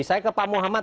saya ke pak muhammad